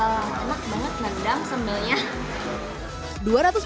emang enak banget ngedam sambilnya